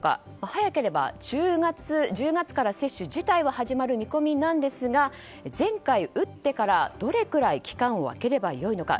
早ければ１０月から接種自体は始まる見込みですが前回打ってからどれくらい期間を空ければよいのか